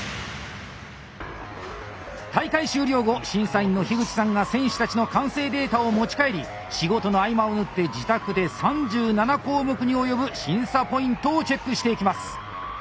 大会終了後審査員の口さんが選手たちの完成データを持ち帰り仕事の合間を縫って自宅で３７項目に及ぶ審査ポイントをチェックしていきます！